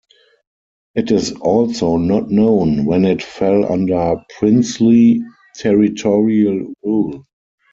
It is also not known when it fell under princely territorial rule.